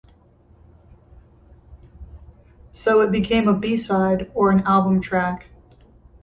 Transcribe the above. So it became a B-side or an album track.